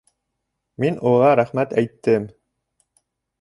Мин уға рәхмәт әйттем.